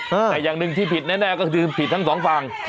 แต่อย่างหนึ่งที่ผิดแน่ก็คือผิดทั้งสองฝั่ง